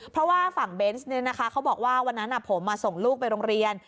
เพราะว่าฝั่งเบนส์เขาบอกว่าวันนั้นผมส่งลูกไปโรงเรียน